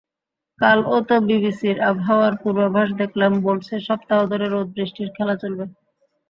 কালও তো বিবিসির আবহাওয়ার পূর্বাভাস দেখলাম—বলছে, সপ্তাহ ধরে রোদ-বৃষ্টির খেলা চলবে।